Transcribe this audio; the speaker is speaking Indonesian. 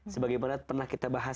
sebagai peran pernah kita bahas itu ya